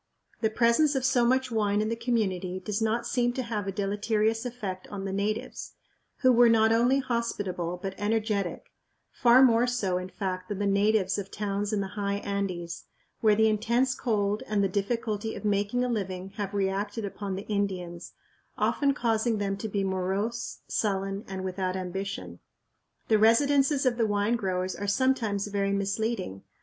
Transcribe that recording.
The presence of so much wine in the community does not seem to have a deleterious effect on the natives, who were not only hospitable but energetic far more so, in fact, than the natives of towns in the high Andes, where the intense cold and the difficulty of making a living have reacted upon the Indians, often causing them to be morose, sullen, and without ambition. The residences of the wine growers are sometimes very misleading.